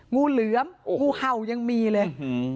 งูเหลือมงูเห่ายังมีเลย